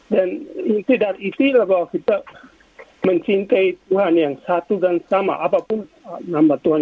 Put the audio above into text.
dan inti dari itilah bahwa kita mencintai tuhan yang satu dan sama apapun nama tuhan